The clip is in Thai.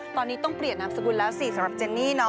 ตอนนี้ต้องเปลี่ยนนามสกุลแล้วสิสำหรับเจนนี่เนาะ